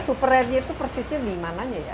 suprairnya itu persisnya di mananya ya